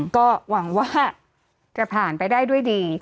ก็หวังว่าจะผ่านไปได้ด้วยดี